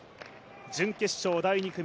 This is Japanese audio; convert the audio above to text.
準決勝第２組。